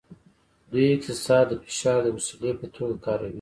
دوی اقتصاد د فشار د وسیلې په توګه کاروي